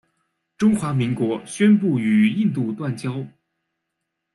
中华民国宣布与印度断交。